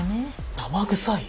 生臭い？